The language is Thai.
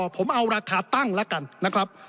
ผมเอาราคาตั้งแล้วกันนะครับ